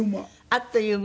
あっという間。